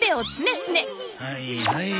はいはい。